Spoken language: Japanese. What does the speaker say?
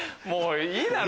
もういい！